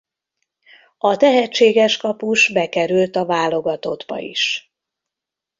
A tehetséges kapus bekerült a válogatottba is.